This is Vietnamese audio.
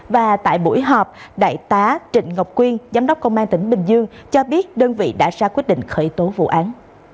và tại buổi họp đại tá trịnh ngọc quyên giám đốc công an tỉnh bình dương cho biết đơn vị đã ra quyết định khởi tố vụ án